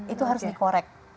itu harus dikorek